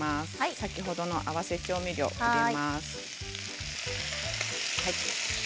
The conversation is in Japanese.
先ほどの合わせ調味料を入れます。